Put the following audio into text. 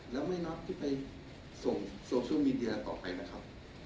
แล้วไม่นัดที่ไปส่งโซเชียลมีเดียต่อไปนะครับ